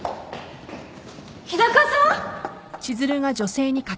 日高さん！